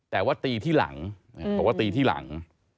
แต่ว่าตีที่หลัง